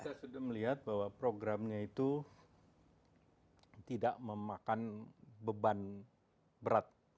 kita sudah melihat bahwa programnya itu tidak memakan beban berat